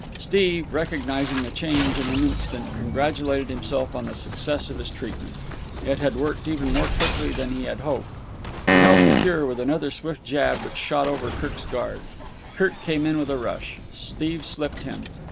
Steve, recognizing the change in an instant, congratulated himself on the success of his treatment. It had worked even more quickly than he had hoped. He helped the cure with another swift jab which shot over Kirk's guard. Kirk came in with a rush. Steve slipped him.